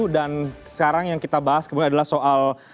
dan sekarang yang kita bahas kemudian adalah soal